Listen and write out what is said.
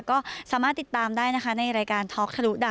ก็สามารถติดตามได้นะคะในรายการท็อกทะลุดาว